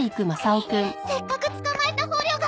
せっかく捕まえた捕虜が。